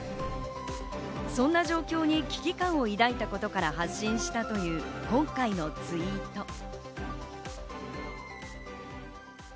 そんな状況に危機感を抱いたことから発進したという今回のツイート。